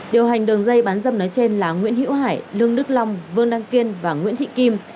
điều hành đường dây bán dâm nói trên là nguyễn hữu hải lương đức long vương đăng kiên và nguyễn thị kim